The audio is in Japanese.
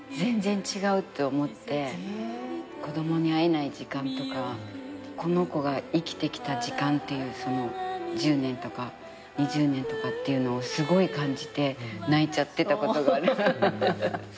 子供に会えない時間とかこの子が生きてきた時間っていうその１０年とか２０年とかっていうのをすごい感じて泣いちゃってたことがある。